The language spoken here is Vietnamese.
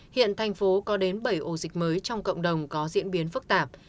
hiện thành phố có đến bảy ổ dịch mới trong cộng đồng có diễn biến phức tạp